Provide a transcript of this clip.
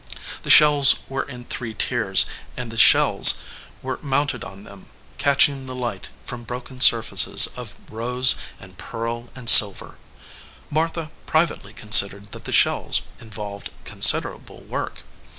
The shelves were in three tiers, and the shells were mounted on them, catching the light from broken i3S EDGEWATER PEOPLE surfaces of rose and pearl and silver. Martha pri vately considered that the shells involved consid erable work.